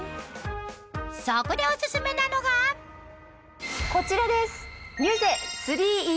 そこでオススメなのがこちらです！